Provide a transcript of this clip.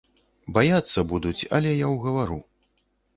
Баяцца будуць, але я ўгавару.